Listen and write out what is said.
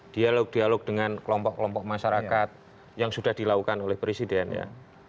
dialog dialog dengan kelompok kelompok masyarakat yang sudah dilakukan oleh presiden ya